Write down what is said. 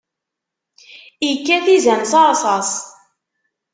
Ikkat izan s rrṣas.